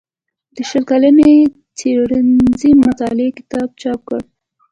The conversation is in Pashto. د شل کلنې څيړنيزې مطالعې کتاب چاپ کړ